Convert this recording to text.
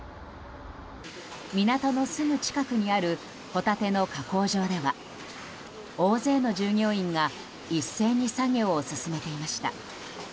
港のすぐ近くにあるホタテの加工場では大勢の従業員が一斉に作業を進めていました。